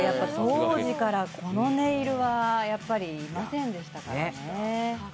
当時からこのネイルはいませんでしたからね。